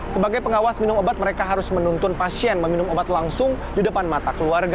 sebagai pengawas minum obat mereka harus menuntun pasien meminum obat langsung di depan mata keluarga